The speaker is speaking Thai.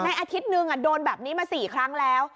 อาทิตย์นึงโดนแบบนี้มา๔ครั้งแล้ว